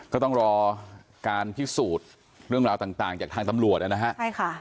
ก็ต้องรอการพิสูจน์เรื่องราวต่างจากทางตำรวจนะฮะใช่ค่ะ